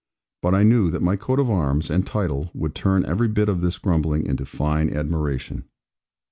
But I knew that my coat of arms, and title, would turn every bit of this grumbling into fine admiration.